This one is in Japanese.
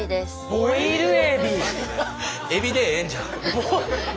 エビでええんちゃう？